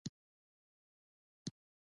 هغه ﷺ به ډېر ذکر کاوه.